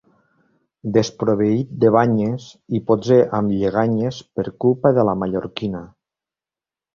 Desproveït de banyes, i potser amb lleganyes per culpa de la mallorquina.